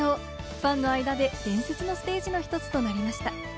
ファンの間で伝説のステージの１つとなりました。